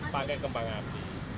pakai kembang api